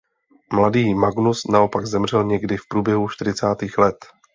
Mladý Magnus naopak zemřel někdy v průběhu čtyřicátých let.